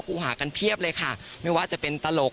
คู่หากันเพียบเลยค่ะไม่ว่าจะเป็นตลก